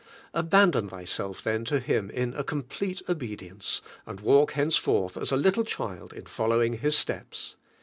Abandon thyself then to n i in in a complete obedience, and walk henceforth as a little child in fallowing His steps.